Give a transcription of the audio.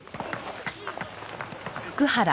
福原